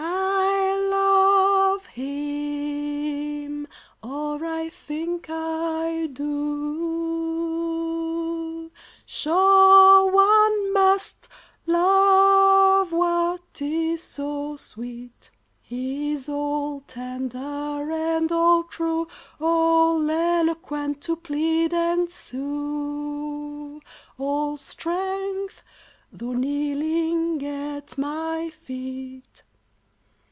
I love him or I think I do; Sure one MUST love what is so sweet. He is all tender and all true, All eloquent to plead and sue, All strength though kneeling at my feet.